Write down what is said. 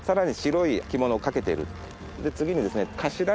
次にですね。